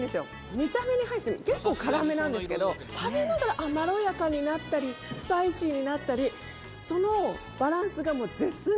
見た目に反して結構辛めなんですけど食べながらまろやかになったりスパイシーになったりそのバランスが絶妙。